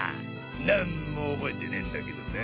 なんも覚えてねえんだけどな！